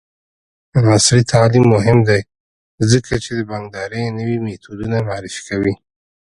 عصري تعلیم مهم دی ځکه چې د بانکدارۍ نوې میتودونه معرفي کوي.